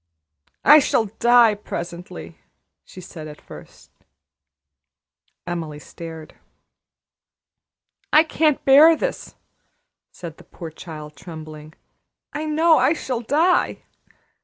"I shall die presently!" she said at first. Emily stared. "I can't bear this!" said the poor child, trembling. "I know I shall die.